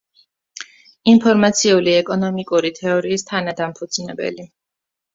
ინფორმაციული ეკონომიკური თეორიის თანადამფუძნებელი.